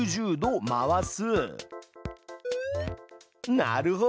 なるほど！